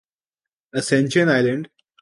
ascension island